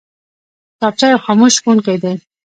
کتابچه یو خاموش ښوونکی دی